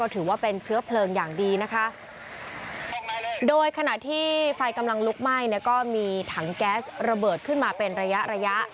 ที่ไฟกำลังลุกไหม้ก็มีถังแก๊สระเบิดขึ้นมาเป็นระยะ